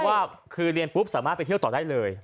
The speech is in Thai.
เพราะว่าคือเรียนปุ๊บสามารถไปเที่ยวต่อได้เลย